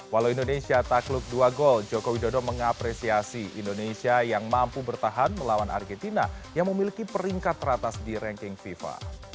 walau indonesia takluk dua gol joko widodo mengapresiasi indonesia yang mampu bertahan melawan argentina yang memiliki peringkat teratas di ranking fifa